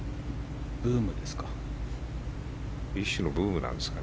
ブームですか。